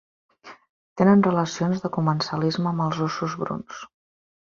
Tenen relacions de comensalisme amb els óssos bruns.